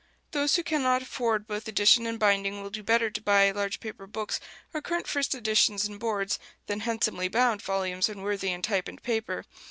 Those who cannot afford both edition and binding will do better to buy large paper books or current first editions in boards, than "handsomely bound" volumes unworthy in type and paper.